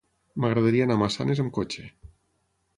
M'agradaria anar a Massanes amb cotxe.